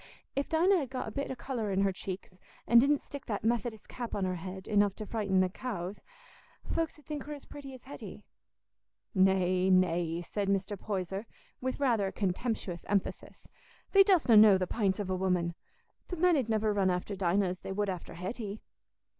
If Dinah had got a bit o' colour in her cheeks, an' didn't stick that Methodist cap on her head, enough to frighten the cows, folks 'ud think her as pretty as Hetty." "Nay, nay," said Mr. Poyser, with rather a contemptuous emphasis, "thee dostna know the pints of a woman. The men 'ud niver run after Dinah as they would after Hetty."